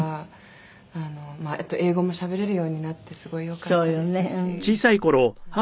英語もしゃべれるようになってすごいよかったですし。